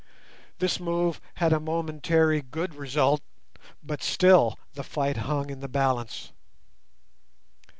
This move had a momentary good result, but still the fight hung in the balance.